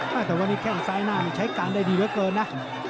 แต่วันนี้แข้งซ้ายหน้าใช้การได้ดีเหลือเกินนะ